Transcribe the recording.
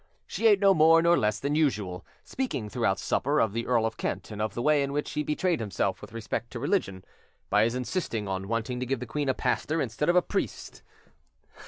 She ate no more nor less than usual, speaking, throughout supper, of the Earl of Kent, and of the way in which he betrayed himself with respect to religion, by his insisting on wanting to give the queen a pastor instead of a priest.